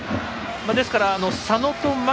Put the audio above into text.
ですから、佐野と牧